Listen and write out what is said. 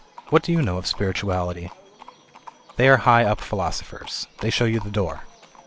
What do you know of spirituality ?" They are high up philosophers. They show you the door.